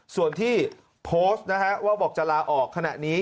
ส่วนที่โพสต์นะฮะว่าบอกจะลาออกขณะนี้